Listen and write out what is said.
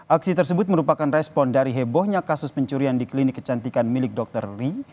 aksi tersebut merupakan respon dari hebohnya kasus pencurian di klinik kecantikan milik dr ri